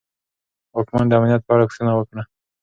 واکمن د امنیت په اړه پوښتنه وکړه.